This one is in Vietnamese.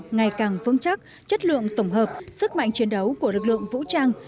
ngày càng vững chắc chất lượng tổng hợp sức mạnh chiến đấu của lực lượng vũ trang